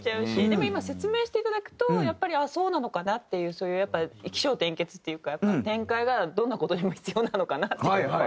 でも今説明していただくとやっぱりそうなのかなっていうそういう起承転結っていうか展開がどんな事にも必要なのかなっていうのは。